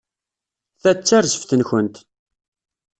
Ta d tarzeft-nkent.